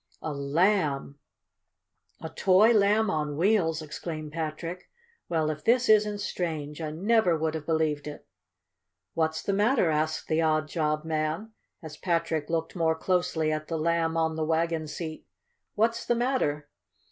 "A Lamb! A toy Lamb on Wheels!" exclaimed Patrick. "Well, if this isn't strange! I never would have believed it!" "What's the matter?" asked the odd job man, as Patrick looked more closely at the Lamb on the wagon seat. "What's the matter?"